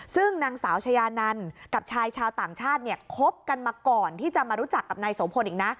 ซึ่งนางสาวชายานันกับชายชาวต่างชาติเนี่ยคบกันมาก่อนที่จะมารู้จักกับนายโสพลอีกนะ